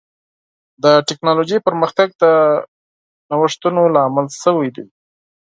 د ټکنالوجۍ پرمختګ د نوښتونو لامل شوی دی.